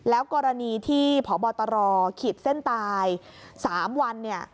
แล้วกรณีที่พบตรขีดเส้นตาย๓วันเนี่ย